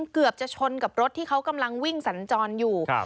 เกือบจะชนกับรถที่เขากำลังวิ่งสัญจรอยู่